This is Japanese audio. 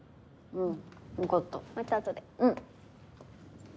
うん。